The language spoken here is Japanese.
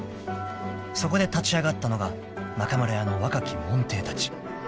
［そこで立ち上がったのが中村屋の若き門弟たち］